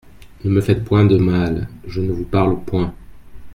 Ne me faites point de mal : je ne vous parle point.